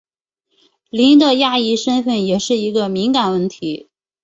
林的亚裔身份也是一个敏感问题。